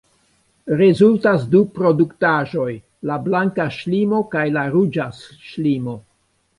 Rezultas du produktaĵoj, la blanka ŝlimo kaj la ruĝa ŝlimo.